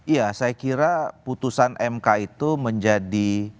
ya saya kira putusan mk itu menjadi